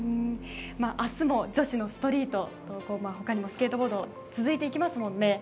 明日も女子のストリート他にもスケートボードは続いていきますよね。